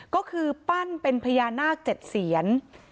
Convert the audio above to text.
ก็คือปั้นเป็นพระยาสมนาคต์เจ็ดเซียน